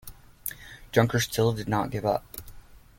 Junkers still did not give up.